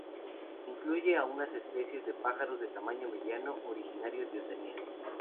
Incluye a unas especies de pájaros de tamaño mediano originarios de Oceanía.